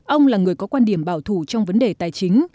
ông là người có quan điểm bảo thủ trong vấn đề tài chính